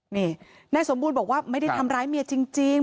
นี่นายสมบูรณ์บอกว่าไม่ได้ทำร้ายเมียจริง